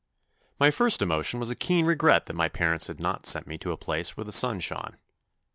My first emotion was a keen regret that my parents had not sent me to a place where the sun shone.